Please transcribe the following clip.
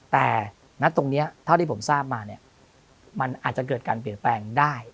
แต่ณตรงนี้เท่าที่ผมทราบมาเนี่ยมันอาจจะเกิดการเปลี่ยนแปลงได้